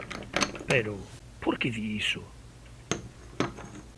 Pero ¿porque di iso?